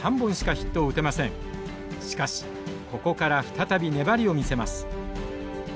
しかしここから再び粘りを見せます。